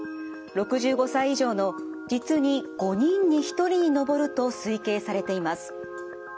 ６５歳以上の実に５人に１人に上ると推計されています。